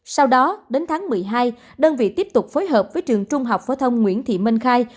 sau đó đến tháng một mươi hai đơn vị tiếp tục phối hợp với trường trung học phổ thông nguyễn thị minh khai